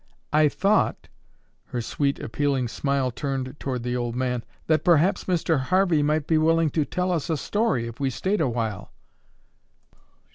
I thought," her sweet appealing smile turned toward the old man, "that perhaps Mr. Harvey might be willing to tell us a story if we stayed awhile."